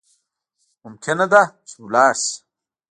ممکنه ده چی لاړ شی